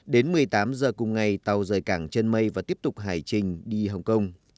đến một mươi tám giờ cùng ngày tàu rời cảng chân mây và tiếp tục hải trình đi hồng kông